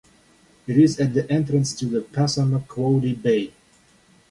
It is at the entrance to Passamaquoddy Bay.